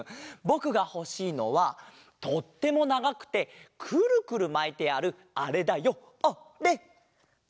ぼくがほしいのはとってもながくてくるくるまいてあるあれだよあれ！